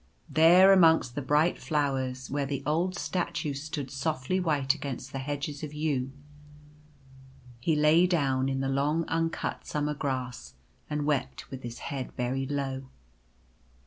There, amongst the bright flowers, where the old statues stood softly white against the hedges of yew, he lay down in the long uncut summer grass, and wept with his head buried low.